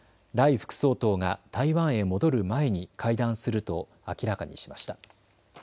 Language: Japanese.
副総統が台湾へ戻る前に会談すると明らかにしました。